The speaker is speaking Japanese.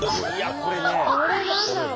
これ何だろう？